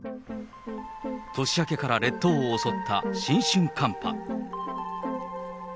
年明けから列島を襲った新春寒波。